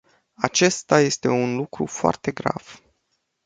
Acesta este un lucru foarte grav.